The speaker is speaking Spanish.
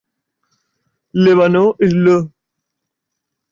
Le Vanneau-Irleau